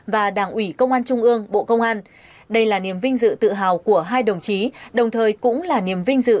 và đảng ủy công an trung ương bộ công an đây là niềm vinh dự tự hào của hai đồng chí đồng thời cũng là niềm vinh dự